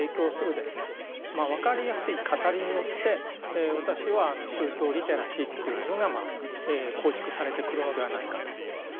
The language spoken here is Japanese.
まあ分かりやすい語りによって私は宗教リテラシーというものが構築されてくるのではないかと。